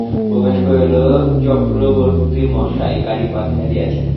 উমেশ কহিল, চক্রবর্তীমশায় গাড়ি পাঠাইয়া দিয়াছেন।